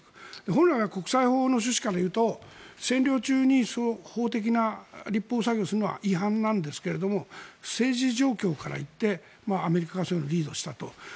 本来は国際法の趣旨からいうと占領中に法的な立法作業をするのは違反なんですが政治状況から行ってアメリカがそういうのをリードしたと。